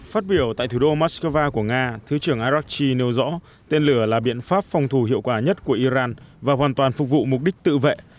phát biểu tại thủ đô moscow của nga thứ trưởng arakchi nêu rõ tên lửa là biện pháp phòng thủ hiệu quả nhất của iran và hoàn toàn phục vụ mục đích tự vệ